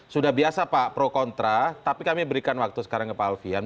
sudah biasa pak pro kontra tapi kami berikan waktu sekarang ke pak alfian